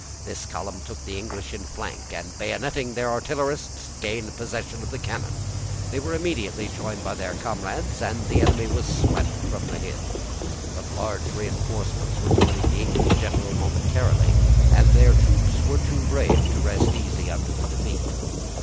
This column took the English in flank, and, bayoneting their artillerists, gained possession of the cannon. They were immediately joined by their comrades, and the enemy was swept from the hill. But large reenforcements were joining the English general momentarily, and their troops were too brave to rest easy under the defeat.